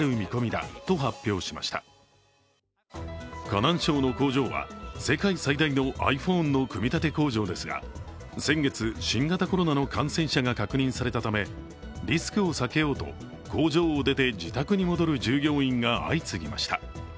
河南省の工場は、世界最大のｉＰｈｏｎｅの組み立て工場ですが先月、新形コロナの感染者が確認されたため、リスクを避けようと工場を出て自宅に戻る従業員が相次ぎました。